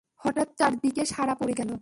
হঠাৎ চারদিকে সাড়া পড়ে গেল।